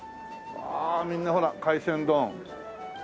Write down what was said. ああみんなほら海鮮丼。